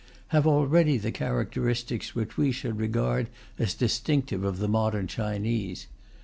have already the characteristics which we should regard as distinctive of the modern Chinese.